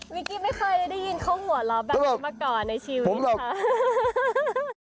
กี้ไม่เคยได้ยินเขาหัวเราะแบบนี้มาก่อนในชีวิตค่ะ